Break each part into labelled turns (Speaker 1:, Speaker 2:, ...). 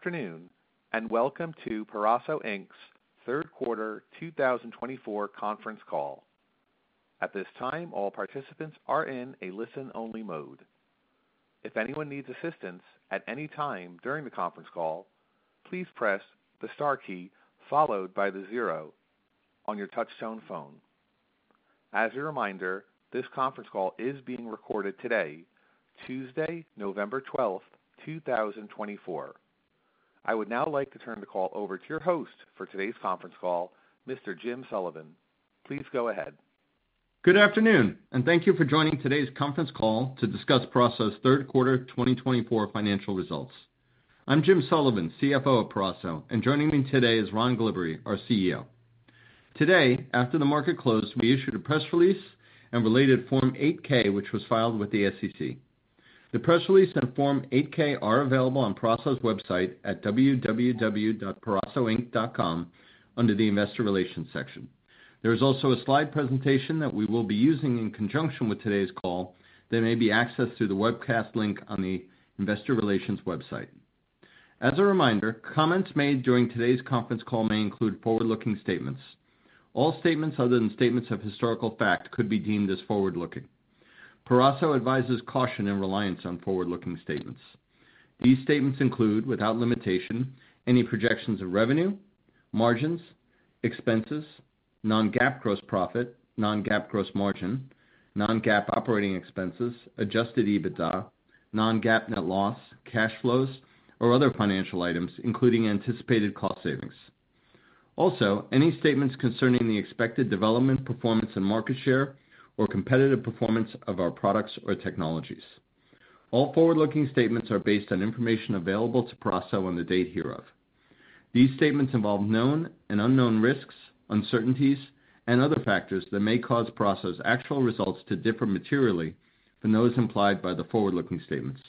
Speaker 1: Afternoon, and welcome to Peraso Inc.'s third quarter 2024 conference call. At this time, all participants are in a listen-only mode. If anyone needs assistance at any time during the conference call, please press the * key followed by the zero on your touch-tone phone. As a reminder, this conference call is being recorded today, Tuesday, November 12th, 2024. I would now like to turn the call over to your host for today's conference call, Mr. Jim Sullivan. Please go ahead.
Speaker 2: Good afternoon, and thank you for joining today's conference call to discuss Peraso's third quarter 2024 financial results. I'm Jim Sullivan, CFO of Peraso, and joining me today is Ron Glibbery, our CEO. Today, after the market closed, we issued a press release and related Form 8-K, which was filed with the SEC. The press release and Form 8-K are available on Peraso's website at www.perasoinc.com under the Investor Relations section. There is also a slide presentation that we will be using in conjunction with today's call that may be accessed through the webcast link on the Investor Relations website. As a reminder, comments made during today's conference call may include forward-looking statements. All statements other than statements of historical fact could be deemed as forward-looking. Peraso advises caution and reliance on forward-looking statements. These statements include, without limitation, any projections of revenue, margins, expenses, non-GAAP gross profit, non-GAAP gross margin, non-GAAP operating expenses, Adjusted EBITDA, non-GAAP net loss, cash flows, or other financial items, including anticipated cost savings. Also, any statements concerning the expected development performance and market share or competitive performance of our products or technologies. All forward-looking statements are based on information available to Peraso on the date hereof. These statements involve known and unknown risks, uncertainties, and other factors that may cause Peraso's actual results to differ materially from those implied by the forward-looking statements,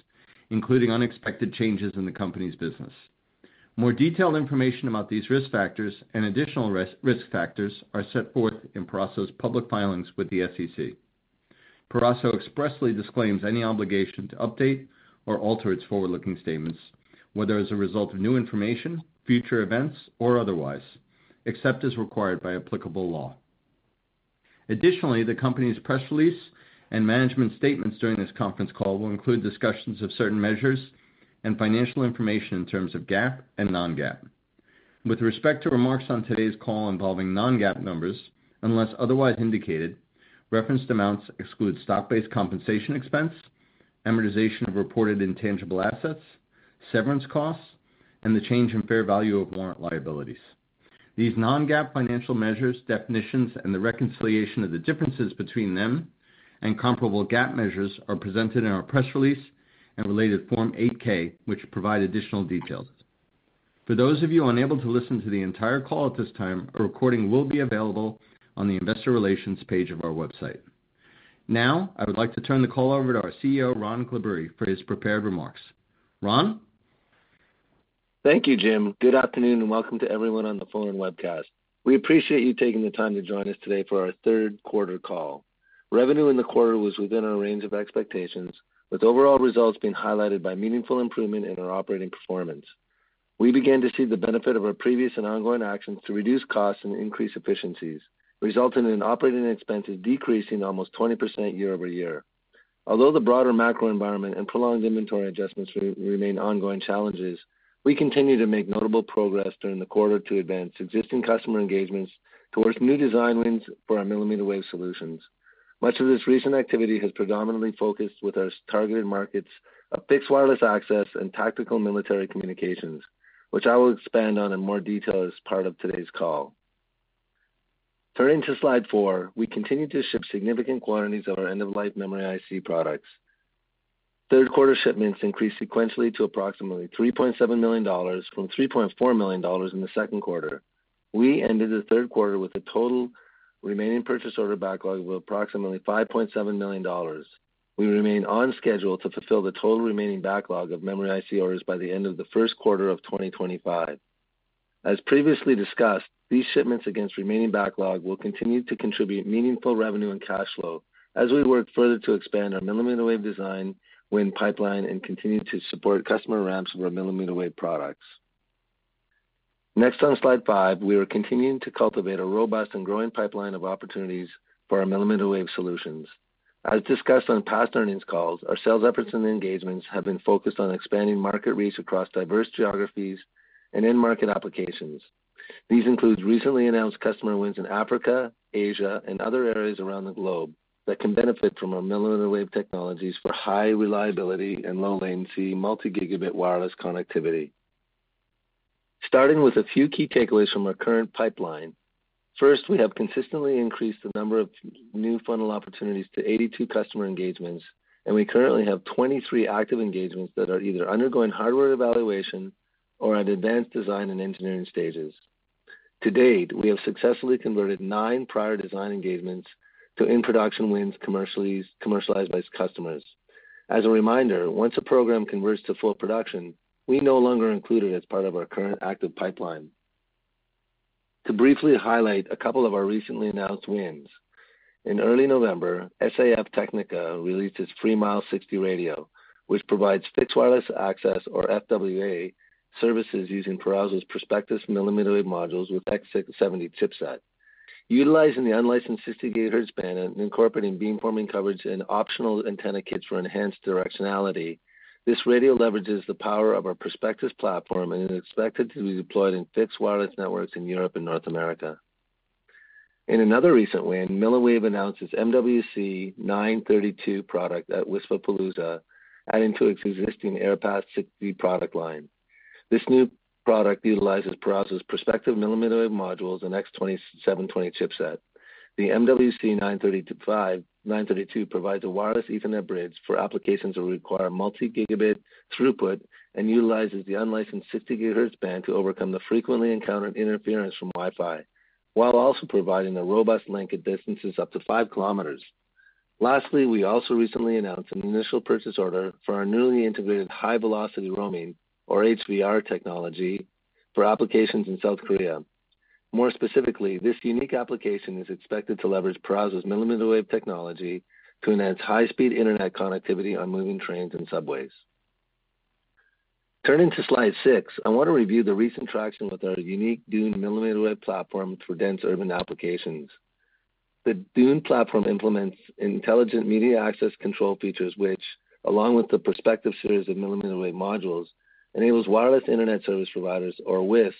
Speaker 2: including unexpected changes in the company's business. More detailed information about these risk factors and additional risk factors are set forth in Peraso's public filings with the SEC. Peraso expressly disclaims any obligation to update or alter its forward-looking statements, whether as a result of new information, future events, or otherwise, except as required by applicable law. Additionally, the company's press release and management statements during this conference call will include discussions of certain measures and financial information in terms of GAAP and non-GAAP. With respect to remarks on today's call involving non-GAAP numbers, unless otherwise indicated, referenced amounts exclude stock-based compensation expense, amortization of reported intangible assets, severance costs, and the change in fair value of warrant liabilities. These non-GAAP financial measures, definitions, and the reconciliation of the differences between them and comparable GAAP measures are presented in our press release and related Form 8-K, which provide additional details. For those of you unable to listen to the entire call at this time, a recording will be available on the Investor Relations page of our website. Now, I would like to turn the call over to our CEO, Ron Glibbery, for his prepared remarks. Ron?
Speaker 3: Thank you, Jim. Good afternoon, and welcome to everyone on the phone and webcast. We appreciate you taking the time to join us today for our third quarter call. Revenue in the quarter was within our range of expectations, with overall results being highlighted by meaningful improvement in our operating performance. We began to see the benefit of our previous and ongoing actions to reduce costs and increase efficiencies, resulting in operating expenses decreasing almost 20% year over year. Although the broader macro environment and prolonged inventory adjustments remain ongoing challenges, we continue to make notable progress during the quarter to advance existing customer engagements towards new design wins for our millimeter wave solutions. Much of this recent activity has predominantly focused with our targeted markets of fixed wireless access and tactical military communications, which I will expand on in more detail as part of today's call. Turning to slide four, we continue to ship significant quantities of our end-of-life memory IC products. Third quarter shipments increased sequentially to approximately $3.7 million from $3.4 million in the second quarter. We ended the third quarter with a total remaining purchase order backlog of approximately $5.7 million. We remain on schedule to fulfill the total remaining backlog of memory IC orders by the end of the first quarter of 2025. As previously discussed, these shipments against remaining backlog will continue to contribute meaningful revenue and cash flow as we work further to expand our millimeter wave design, win pipeline, and continue to support customer ramps for our millimeter wave products. Next, on slide five, we are continuing to cultivate a robust and growing pipeline of opportunities for our millimeter wave solutions. As discussed on past earnings calls, our sales efforts and engagements have been focused on expanding market reach across diverse geographies and in-market applications. These include recently announced customer wins in Africa, Asia, and other areas around the globe that can benefit from our millimeter wave technologies for high reliability and low-latency multi-gigabit wireless connectivity. Starting with a few key takeaways from our current pipeline. First, we have consistently increased the number of new funnel opportunities to 82 customer engagements, and we currently have 23 active engagements that are either undergoing hardware evaluation or at advanced design and engineering stages. To date, we have successfully converted nine prior design engagements to in-production wins commercialized by customers. As a reminder, once a program converts to full production, we no longer include it as part of our current active pipeline. To briefly highlight a couple of our recently announced wins. In early November, SAF Tehnika released its FreeMile 60 radio, which provides fixed wireless access, or FWA, services using Peraso's Perspectus millimeter wave modules with X710 chipset. Utilizing the unlicensed 60 gigahertz band and incorporating beamforming coverage and optional antenna kits for enhanced directionality, this radio leverages the power of our Perspectus platform and is expected to be deployed in fixed wireless networks in Europe and North America. In another recent win, Milliwave announced its MWC-932 product at WISPAPALOOZA, adding to its existing AirPath 60 product line. This new product utilizes Peraso's Perspectus millimeter wave modules and X720 chipset. The MWC-932 provides a wireless Ethernet bridge for applications that require multi-gigabit throughput and utilizes the unlicensed 60 gigahertz band to overcome the frequently encountered interference from Wi-Fi, while also providing a robust link at distances up to 5 km. Lastly, we also recently announced an initial purchase order for our newly integrated high-velocity roaming, or HVR, technology for applications in South Korea. More specifically, this unique application is expected to leverage Peraso's millimeter wave technology to enhance high-speed internet connectivity on moving trains and subways. Turning to slide six, I want to review the recent traction with our unique Dune millimeter wave platform for dense urban applications. The Dune platform implements intelligent media access control features, which, along with the Perspectus series of millimeter wave modules, enables wireless internet service providers, or WISP,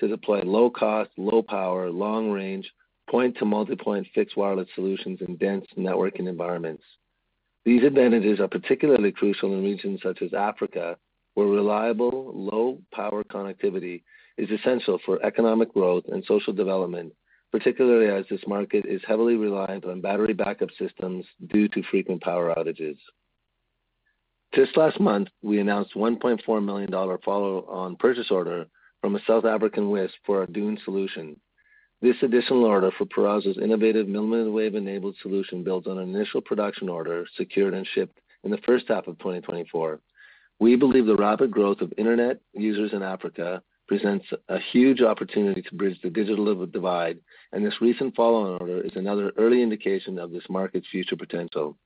Speaker 3: to deploy low-cost, low-power, long-range, point-to-multipoint fixed wireless solutions in dense networking environments. These advantages are particularly crucial in regions such as Africa, where reliable, low-power connectivity is essential for economic growth and social development, particularly as this market is heavily reliant on battery backup systems due to frequent power outages. Just last month, we announced a $1.4 million follow-on purchase order from a South African WISP for our Dune solution. This additional order for Peraso's innovative millimeter wave-enabled solution builds on an initial production order secured and shipped in the first half of 2024. We believe the rapid growth of internet users in Africa presents a huge opportunity to bridge the digital divide, and this recent follow-on order is another early indication of this market's future potential.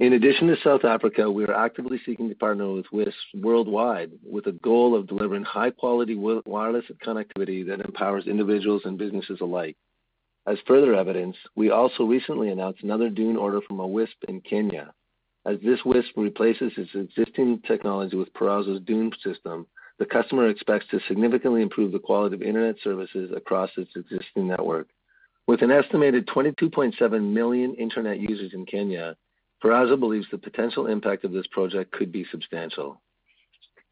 Speaker 3: In addition to South Africa, we are actively seeking to partner with WISP worldwide with a goal of delivering high-quality wireless connectivity that empowers individuals and businesses alike. As further evidence, we also recently announced another Dune order from a WISP in Kenya. As this WISP replaces its existing technology with Peraso's Dune system, the customer expects to significantly improve the quality of internet services across its existing network. With an estimated 22.7 million internet users in Kenya, Peraso believes the potential impact of this project could be substantial.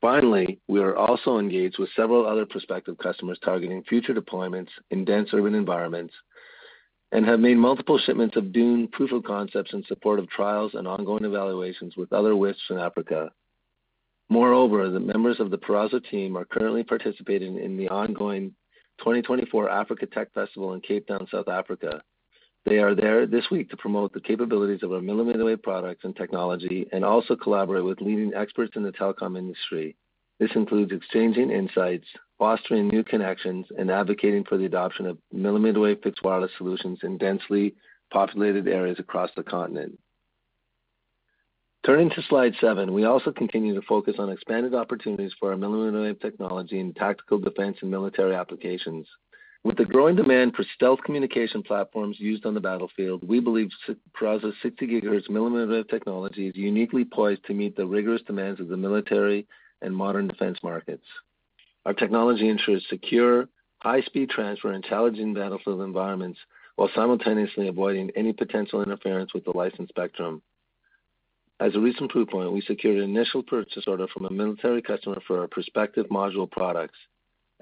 Speaker 3: Finally, we are also engaged with several other prospective customers targeting future deployments in dense urban environments and have made multiple shipments of Dune proof of concepts in support of trials and ongoing evaluations with other WISPs in Africa. Moreover, the members of the Peraso team are currently participating in the ongoing 2024 Africa Tech Festival in Cape Town, South Africa. They are there this week to promote the capabilities of our millimeter wave products and technology and also collaborate with leading experts in the telecom industry. This includes exchanging insights, fostering new connections, and advocating for the adoption of millimeter wave fixed wireless solutions in densely populated areas across the continent. Turning to slide seven, we also continue to focus on expanded opportunities for our millimeter wave technology in tactical defense and military applications. With the growing demand for stealth communication platforms used on the battlefield, we believe Peraso's 60 gigahertz millimeter wave technology is uniquely poised to meet the rigorous demands of the military and modern defense markets. Our technology ensures secure, high-speed transfer in challenging battlefield environments while simultaneously avoiding any potential interference with the licensed spectrum. As a recent proof point, we secured an initial purchase order from a military customer for our Perspectus module products.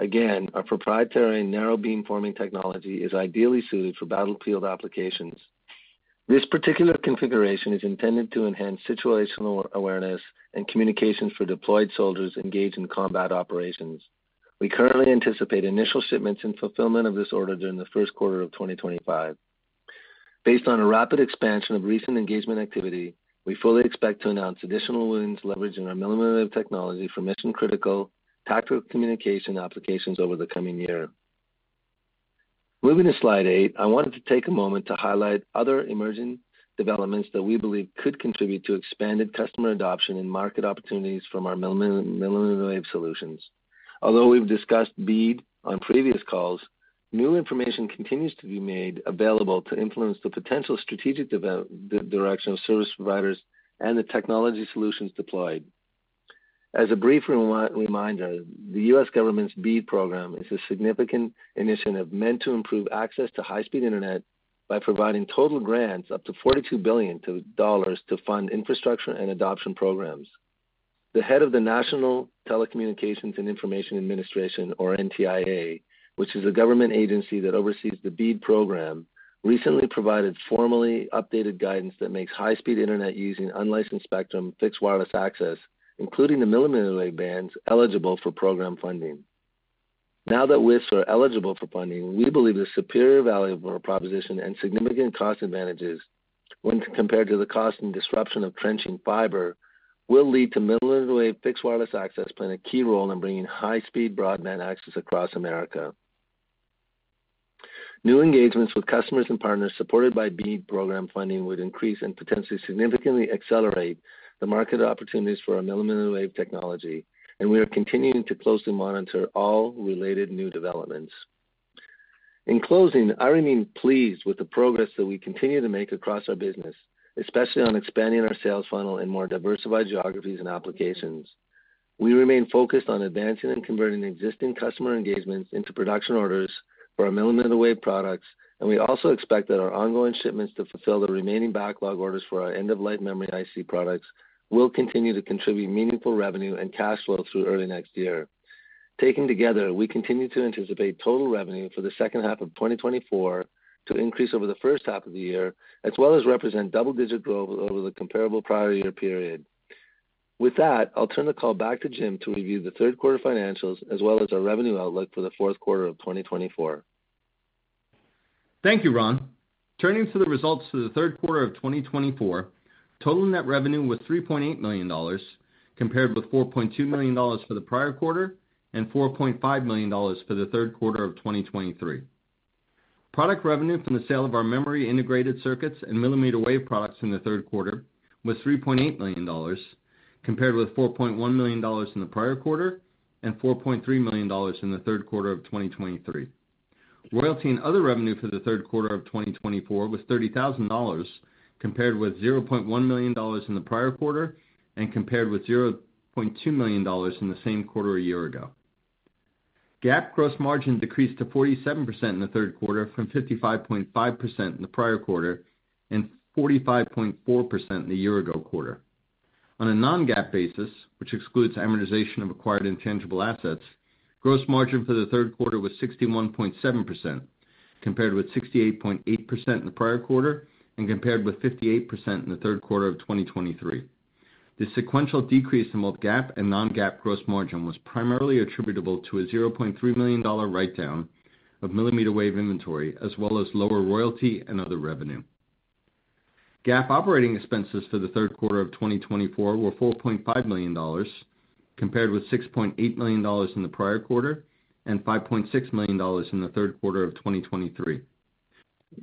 Speaker 3: Again, our proprietary narrow beamforming technology is ideally suited for battlefield applications. This particular configuration is intended to enhance situational awareness and communications for deployed soldiers engaged in combat operations. We currently anticipate initial shipments and fulfillment of this order during the first quarter of 2025. Based on a rapid expansion of recent engagement activity, we fully expect to announce additional wins leveraging our millimeter wave technology for mission-critical tactical communication applications over the coming year. Moving to slide eight, I wanted to take a moment to highlight other emerging developments that we believe could contribute to expanded customer adoption and market opportunities from our millimeter wave solutions. Although we've discussed BEAD on previous calls, new information continues to be made available to influence the potential strategic direction of service providers and the technology solutions deployed. As a brief reminder, the U.S. government's BEAD program is a significant initiative meant to improve access to high-speed internet by providing total grants up to $42 billion to fund infrastructure and adoption programs. The head of the National Telecommunications and Information Administration, or NTIA, which is the government agency that oversees the BEAD program, recently provided formally updated guidance that makes high-speed internet using unlicensed spectrum fixed wireless access, including the millimeter wave bands, eligible for program funding. Now that WISPs are eligible for funding, we believe the superior value of our proposition and significant cost advantages when compared to the cost and disruption of trenching fiber will lead to millimeter wave fixed wireless access playing a key role in bringing high-speed broadband access across America. New engagements with customers and partners supported by BEAD program funding would increase and potentially significantly accelerate the market opportunities for our millimeter wave technology, and we are continuing to closely monitor all related new developments. In closing, I remain pleased with the progress that we continue to make across our business, especially on expanding our sales funnel in more diversified geographies and applications. We remain focused on advancing and converting existing customer engagements into production orders for our millimeter wave products, and we also expect that our ongoing shipments to fulfill the remaining backlog orders for our end-of-life memory IC products will continue to contribute meaningful revenue and cash flow through early next year. Taken together, we continue to anticipate total revenue for the second half of 2024 to increase over the first half of the year, as well as represent double-digit growth over the comparable prior year period. With that, I'll turn the call back to Jim to review the third quarter financials as well as our revenue outlook for the fourth quarter of 2024.
Speaker 2: Thank you, Ron. Turning to the results for the third quarter of 2024, total net revenue was $3.8 million, compared with $4.2 million for the prior quarter and $4.5 million for the third quarter of 2023. Product revenue from the sale of our memory integrated circuits and millimeter wave products in the third quarter was $3.8 million, compared with $4.1 million in the prior quarter and $4.3 million in the third quarter of 2023. Royalty and other revenue for the third quarter of 2024 was $30,000, compared with $0.1 million in the prior quarter and compared with $0.2 million in the same quarter a year ago. GAAP gross margin decreased to 47% in the third quarter from 55.5% in the prior quarter and 45.4% in the year-ago quarter. On a Non-GAAP basis, which excludes amortization of acquired intangible assets, gross margin for the third quarter was 61.7%, compared with 68.8% in the prior quarter and compared with 58% in the third quarter of 2023. The sequential decrease in both GAAP and Non-GAAP gross margin was primarily attributable to a $0.3 million write-down of millimeter wave inventory, as well as lower royalty and other revenue. GAAP operating expenses for the third quarter of 2024 were $4.5 million, compared with $6.8 million in the prior quarter and $5.6 million in the third quarter of 2023.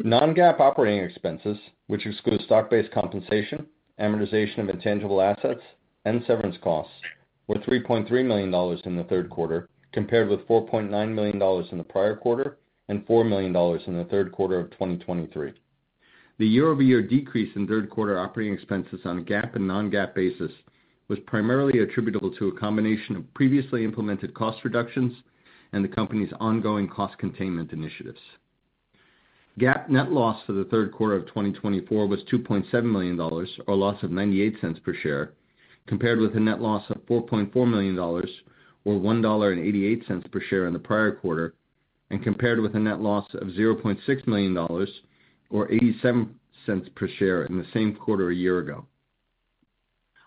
Speaker 2: Non-GAAP operating expenses, which exclude stock-based compensation, amortization of intangible assets, and severance costs, were $3.3 million in the third quarter, compared with $4.9 million in the prior quarter and $4 million in the third quarter of 2023. The year-over-year decrease in third quarter operating expenses on a GAAP and non-GAAP basis was primarily attributable to a combination of previously implemented cost reductions and the company's ongoing cost containment initiatives. GAAP net loss for the third quarter of 2024 was $2.7 million, or a loss of $0.98 per share, compared with a net loss of $4.4 million, or $1.88 per share in the prior quarter, and compared with a net loss of $0.6 million, or $0.87 per share in the same quarter a year ago.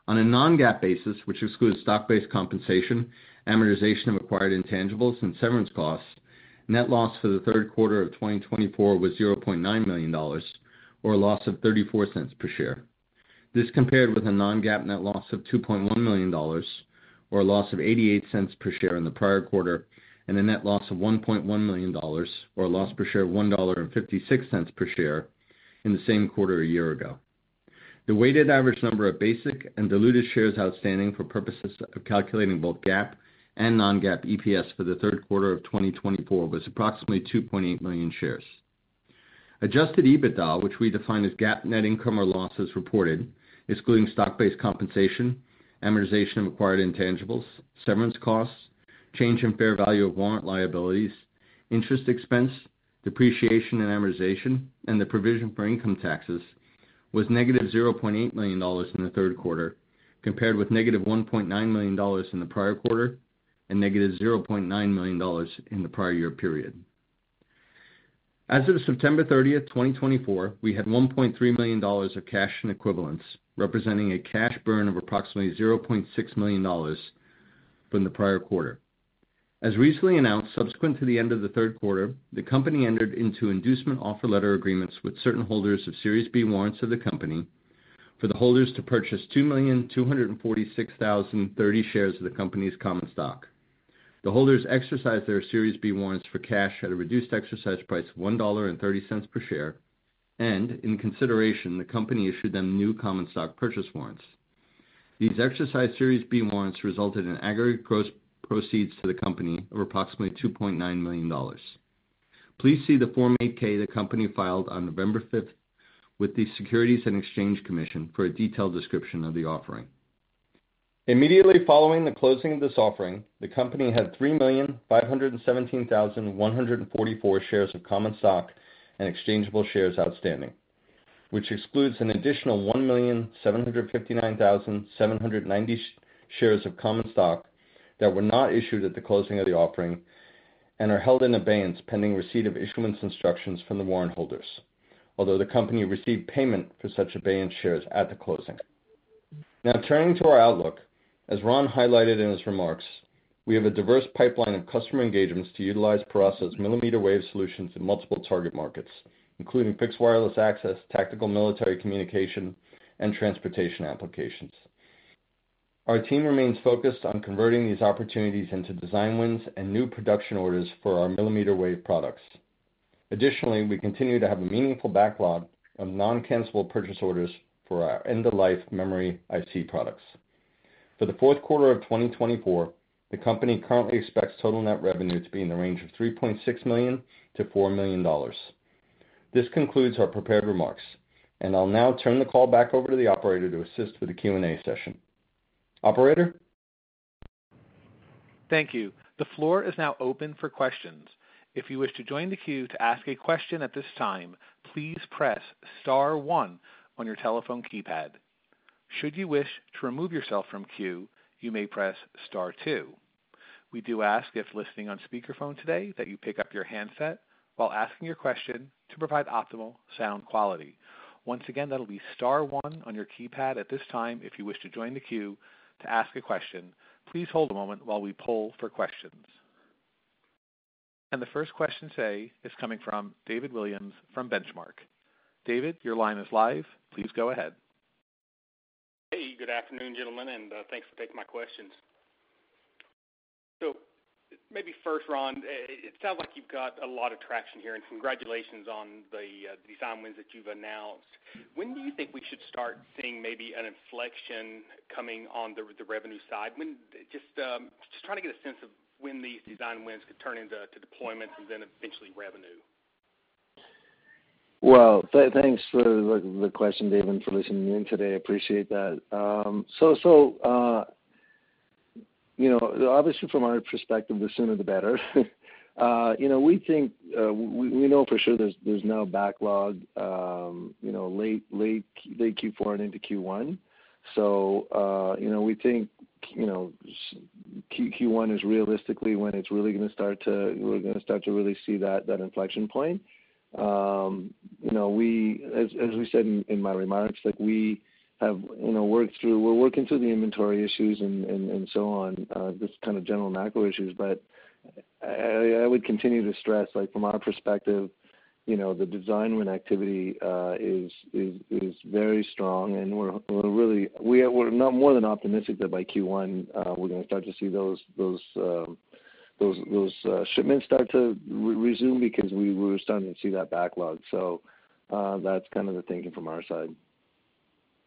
Speaker 2: On a non-GAAP basis, which excludes stock-based compensation, amortization of acquired intangibles, and severance costs, net loss for the third quarter of 2024 was $0.9 million, or a loss of $0.34 per share. This compared with a non-GAAP net loss of $2.1 million, or a loss of $0.88 per share in the prior quarter, and a net loss of $1.1 million, or a loss per share of $1.56 per share in the same quarter a year ago. The weighted average number of basic and diluted shares outstanding for purposes of calculating both GAAP and non-GAAP EPS for the third quarter of 2024 was approximately 2.8 million shares. Adjusted EBITDA, which we define as GAAP net income or losses reported, excluding stock-based compensation, amortization of acquired intangibles, severance costs, change in fair value of warrant liabilities, interest expense, depreciation and amortization, and the provision for income taxes, was negative $0.8 million in the third quarter, compared with negative $1.9 million in the prior quarter and negative $0.9 million in the prior year period. As of September 30, 2024, we had $1.3 million of cash and equivalents, representing a cash burn of approximately $0.6 million from the prior quarter. As recently announced, subsequent to the end of the third quarter, the company entered into inducement offer letter agreements with certain holders of Series B warrants of the company for the holders to purchase 2,246,030 shares of the company's common stock. The holders exercised their Series B warrants for cash at a reduced exercise price of $1.30 per share, and in consideration, the company issued them new common stock purchase warrants. These exercised Series B warrants resulted in aggregate gross proceeds to the company of approximately $2.9 million. Please see the Form 8-K the company filed on November 5 with the Securities and Exchange Commission for a detailed description of the offering. Immediately following the closing of this offering, the company had 3,517,144 shares of common stock and exchangeable shares outstanding, which excludes an additional 1,759,790 shares of common stock that were not issued at the closing of the offering and are held in abeyance pending receipt of issuance instructions from the warrant holders, although the company received payment for such abeyance shares at the closing. Now, turning to our outlook, as Ron highlighted in his remarks, we have a diverse pipeline of customer engagements to utilize Peraso's millimeter-wave solutions in multiple target markets, including fixed wireless access, tactical military communication, and transportation applications. Our team remains focused on converting these opportunities into design wins and new production orders for our millimeter-wave products. Additionally, we continue to have a meaningful backlog of non-cancelable purchase orders for our end-of-life memory IC products. For the fourth quarter of 2024, the company currently expects total net revenue to be in the range of $3.6 million-$4 million. This concludes our prepared remarks, and I'll now turn the call back over to the operator to assist with the Q&A session. Operator?
Speaker 1: Thank you. The floor is now open for questions. If you wish to join the queue to ask a question at this time, please press * 1 on your telephone keypad. Should you wish to remove yourself from queue, you may press * 2. We do ask, if listening on speakerphone today, that you pick up your handset while asking your question to provide optimal sound quality. Once again, that'll be * 1 on your keypad at this time. If you wish to join the queue to ask a question, please hold a moment while we poll for questions. The first question today is coming from David Williams from Benchmark. David, your line is live. Please go ahead.
Speaker 4: Hey, good afternoon, gentlemen, and thanks for taking my questions. So maybe first, Ron, it sounds like you've got a lot of traction here, and congratulations on the design wins that you've announced. When do you think we should start seeing maybe an inflection coming on the revenue side? Just trying to get a sense of when these design wins could turn into deployment and then eventually revenue.
Speaker 3: Thanks for the question, David, for listening in today. I appreciate that. Obviously, from our perspective, the sooner the better. We know for sure there's now backlog late Q4 and into Q1. We think Q1 is realistically when it's really going to start to, we're going to start to really see that inflection point. As we said in my remarks, we have worked through, we're working through the inventory issues and so on, just kind of general macro issues. I would continue to stress, from our perspective, the design win activity is very strong, and we're more than optimistic that by Q1 we're going to start to see those shipments start to resume because we were starting to see that backlog. That's kind of the thinking from our side.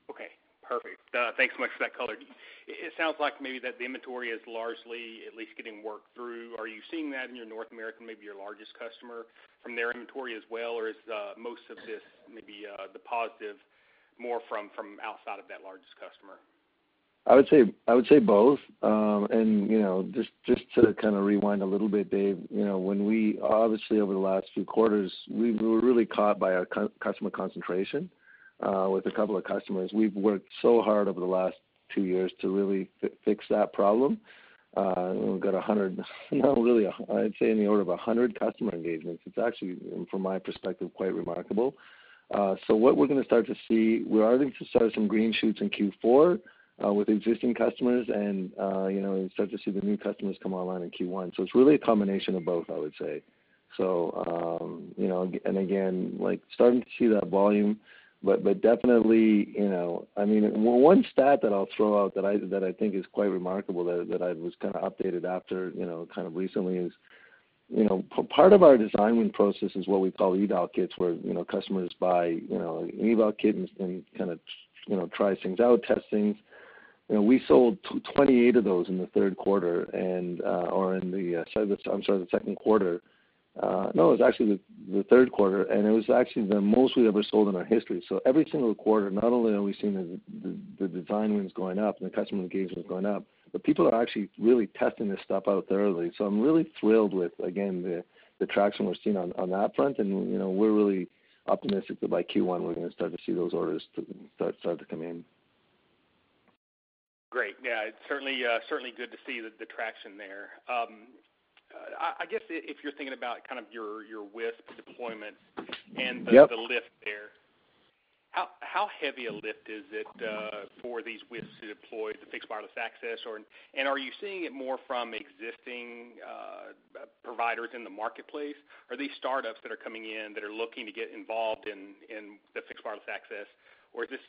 Speaker 4: Okay. Perfect. Thanks so much for that, color. It sounds like maybe that the inventory is largely at least getting worked through. Are you seeing that in your North American, maybe your largest customer, from their inventory as well? Or is most of this maybe the positive more from outside of that largest customer?
Speaker 3: I would say both. And just to kind of rewind a little bit, Dave, when we obviously, over the last few quarters, we were really caught by our customer concentration with a couple of customers. We've worked so hard over the last two years to really fix that problem. We've got 100—no, really, I'd say in the order of 100 customer engagements. It's actually, from my perspective, quite remarkable. So what we're going to start to see, we're starting to see some green shoots in Q4 with existing customers and start to see the new customers come online in Q1. So it's really a combination of both, I would say. And again, starting to see that volume. Definitely, I mean, one stat that I'll throw out that I think is quite remarkable that I was kind of updated after kind of recently is part of our design win process is what we call eval kits, where customers buy an eval kit and kind of try things out, test things. We sold 28 of those in the third quarter or in the—I'm sorry, the second quarter. No, it was actually the third quarter. And it was actually the most we ever sold in our history. So every single quarter, not only are we seeing the design wins going up and the customer engagement going up, but people are actually really testing this stuff out thoroughly. So I'm really thrilled with, again, the traction we're seeing on that front. And we're really optimistic that by Q1, we're going to start to see those orders start to come in.
Speaker 4: Great. Yeah. It's certainly good to see the traction there. I guess if you're thinking about kind of your WISP deployment and the lift there, how heavy a lift is it for these WISPs to deploy the fixed wireless access? And are you seeing it more from existing providers in the marketplace? Are these startups that are coming in that are looking to get involved in the fixed wireless access? Or is this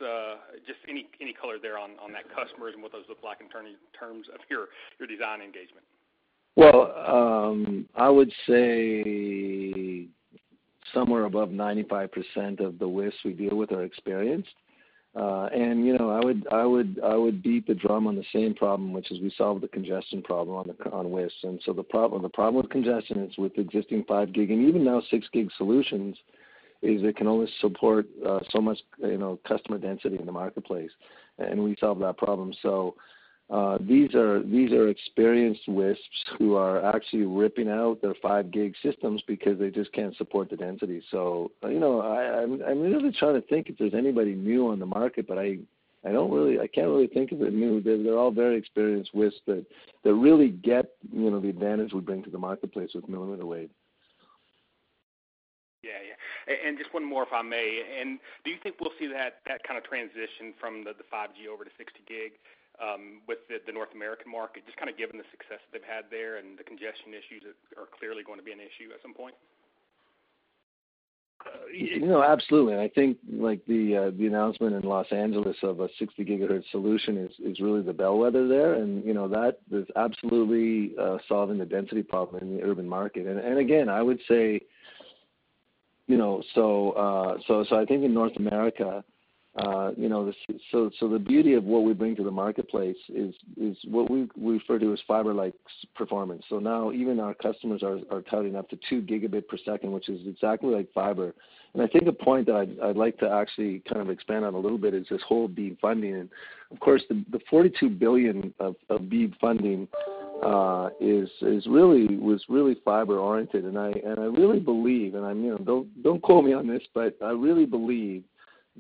Speaker 4: just any color there on that customers and what those look like in terms of your design engagement?
Speaker 3: I would say somewhere above 95% of the WISPs we deal with are experienced. And I would beat the drum on the same problem, which is we solved the congestion problem on WISPs. And so the problem with congestion is with existing 5G and even now 6G solutions is it can only support so much customer density in the marketplace. And we solved that problem. So these are experienced WISPs who are actually ripping out their 5G systems because they just can't support the density. So I'm really trying to think if there's anybody new on the market, but I can't really think of it new. They're all very experienced WISPs that really get the advantage we bring to the marketplace with millimeter wave.
Speaker 4: Yeah. Yeah. And just one more, if I may. And do you think we'll see that kind of transition from the 5G over to 60G with the North American market, just kind of given the success that they've had there and the congestion issues that are clearly going to be an issue at some point?
Speaker 3: Absolutely, and I think the announcement in Los Angeles of a 60 GHz solution is really the bellwether there, and that is absolutely solving the density problem in the urban market. And again, I would say, so I think in North America, so the beauty of what we bring to the marketplace is what we refer to as fiber-like performance. So now even our customers are touting up to two gigabit per second, which is exactly like fiber. And I think a point that I'd like to actually kind of expand on a little bit is this whole BEAD funding, and of course, the $42 billion of BEAD funding was really fiber-oriented. I really believe, and don't quote me on this, but I really believe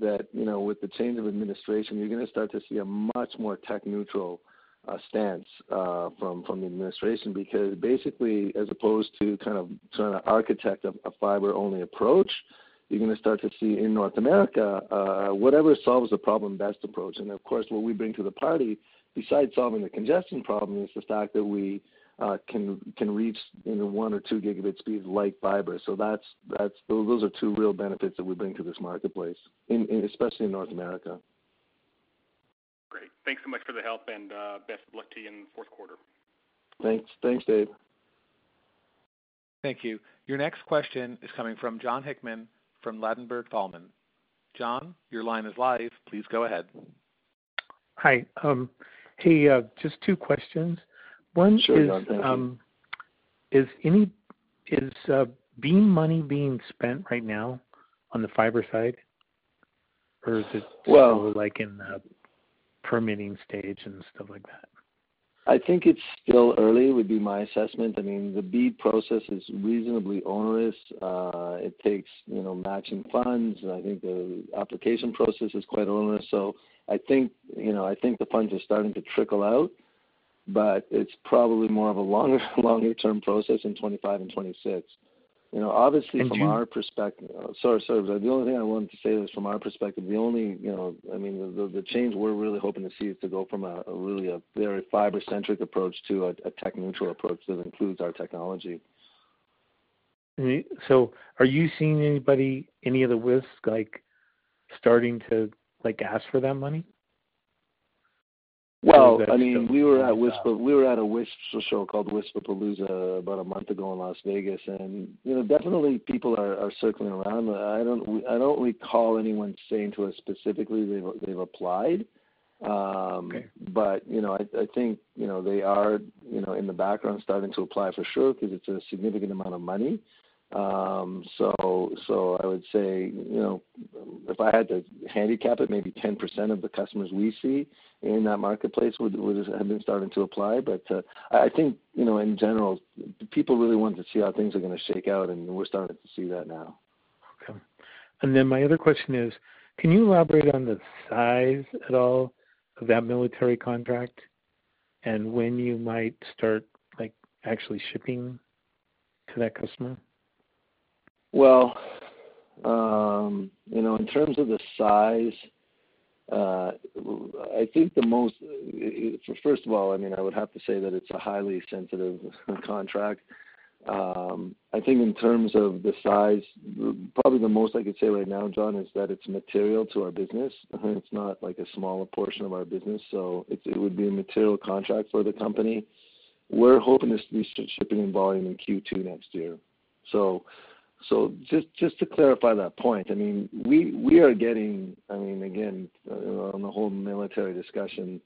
Speaker 3: that with the change of administration, you're going to start to see a much more tech-neutral stance from the administration because basically, as opposed to kind of trying to architect a fiber-only approach, you're going to start to see in North America, whatever solves the problem, best approach. And of course, what we bring to the party besides solving the congestion problem is the fact that we can reach one- or two-gigabit speed like fiber. So those are two real benefits that we bring to this marketplace, especially in North America.
Speaker 4: Great. Thanks so much for the help and best of luck to you in the fourth quarter.
Speaker 3: Thanks. Thanks, Dave.
Speaker 1: Thank you. Your next question is coming from John Hickman from Ladenburg Thalmann. John, your line is live. Please go ahead.
Speaker 5: Hi. Hey, just two questions. One.
Speaker 3: Sure, John. Thank you.
Speaker 5: Is BEAD money being spent right now on the fiber side? Or is it still in the permitting stage and stuff like that?
Speaker 3: I think it's still early, would be my assessment. I mean, the BEAD process is reasonably onerous. It takes matching funds. I think the application process is quite onerous. So I think the funds are starting to trickle out, but it's probably more of a longer-term process in 2025 and 2026. Obviously, from our perspective, sorry, sorry. The only thing I wanted to say is from our perspective, the only, I mean, the change we're really hoping to see is to go from really a very fiber-centric approach to a tech-neutral approach that includes our technology.
Speaker 5: So are you seeing anybody, any of the WISPs starting to ask for that money?
Speaker 3: Well, I mean, we were at a WISP show called WISPAPALOOZA about a month ago in Las Vegas. And definitely, people are circling around. I don't recall anyone saying to us specifically they've applied. But I think they are in the background starting to apply for sure because it's a significant amount of money. So I would say if I had to handicap it, maybe 10% of the customers we see in that marketplace would have been starting to apply. But I think in general, people really want to see how things are going to shake out, and we're starting to see that now.
Speaker 5: Okay, and then my other question is, can you elaborate on the size at all of that military contract and when you might start actually shipping to that customer?
Speaker 3: In terms of the size, I think the most, first of all, I mean, I would have to say that it's a highly sensitive contract. I think in terms of the size, probably the most I could say right now, John, is that it's material to our business. It's not a smaller portion of our business. So it would be a material contract for the company. We're hoping to start shipping in volume in Q2 next year. So just to clarify that point, I mean, we are getting, I mean, again, on the whole military discussion,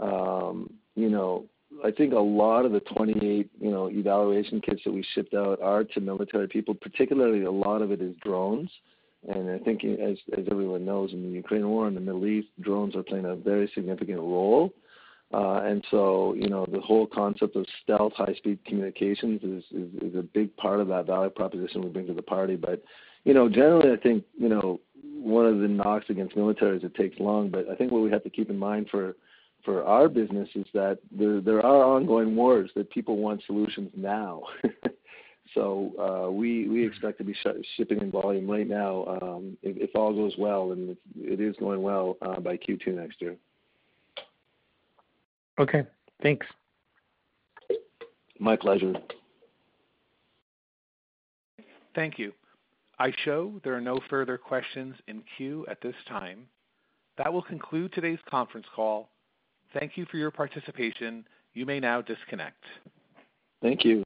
Speaker 3: I think a lot of the 28 evaluation kits that we shipped out are to military people. Particularly, a lot of it is drones. And I think, as everyone knows, in the Ukraine war, in the Middle East, drones are playing a very significant role. And so the whole concept of stealth, high-speed communications is a big part of that value proposition we bring to the party. But generally, I think one of the knocks against military is it takes long. But I think what we have to keep in mind for our business is that there are ongoing wars that people want solutions now. So we expect to be shipping in volume right now, if all goes well, and it is going well by Q2 next year.
Speaker 5: Okay. Thanks.
Speaker 3: My pleasure.
Speaker 1: Thank you. I'll show there are no further questions in queue at this time. That will conclude today's conference call. Thank you for your participation. You may now disconnect.
Speaker 3: Thank you.